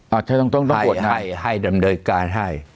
แม้เลือกการให้